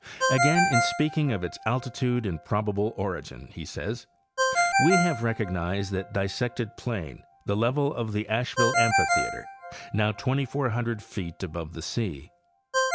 Again, in speaking of its altitude and probable origin, he says: * We have recognized that dissected plain, the level of the Asheville amphitheater, now 2,400 feet above the sea.